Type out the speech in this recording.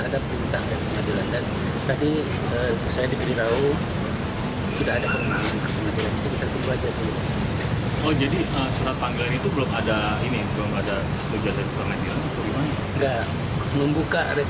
diberi tahu bahwa pihak rumah sakit berlalu